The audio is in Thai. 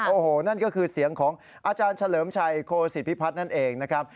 โอ้โหนั่นก็คือเสียงของอาจารย์เฉลิมชัยโคศิพิพัฒน์นั่นเองนะครับ